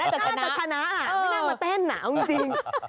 ถูกได้จากคณะถูกได้จากคณะไม่น่ามาเต้นหนาวจริง